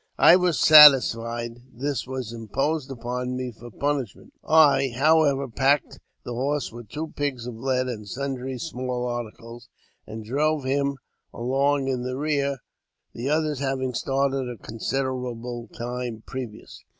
I was satisfied this was imposed upon me for punishment. I, however, packed the horse with two pigs of lead and sundry small articles, and drove him along in the rear, the others having started a considerable time previous.